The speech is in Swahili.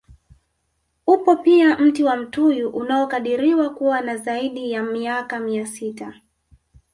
Upo pia mti wa mtuyu unaokadiriwa kuwa na zaidi ya miaka mia sita